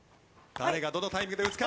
誰がどのタイミングで打つか。